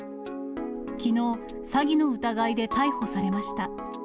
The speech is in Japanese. きのう、詐欺の疑いで逮捕されました。